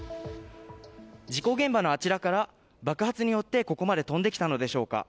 事故現場のあちらから爆発によってここまで飛んできたのでしょうか。